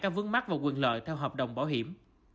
các vướng mắt và quyền lợi theo hợp đồng bảo hiểm